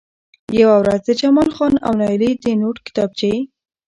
يوه ورځ د جمال خان او نايلې د نوټ کتابچې